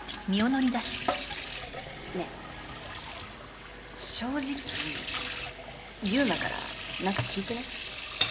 ねえ正直悠馬からなんか聞いてない？